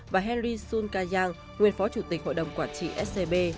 và henry sun kaya nguyên phó chủ tịch hội đồng quản trị scb